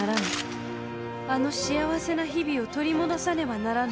あの幸せな日々を取り戻さねばならぬ。